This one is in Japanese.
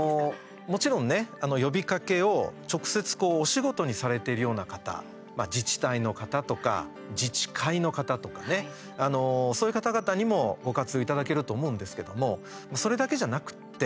もちろんね、呼びかけを直接お仕事にされているような方自治体の方とか自治会の方とかそういう方々にもご活用いただけると思うんですけどもそれだけじゃなくて、